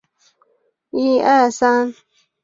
利文斯通是位于英国苏格兰西洛锡安的最大城市。